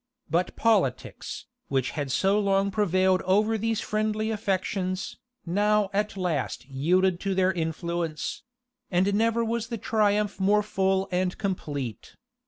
But politics, which had so long prevailed over these friendly affections, now at last yielded to their influence; and never was the triumph more full and complete.